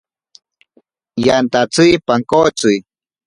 Yantatsi pankotsi.